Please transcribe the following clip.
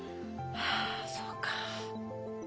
はあそうか。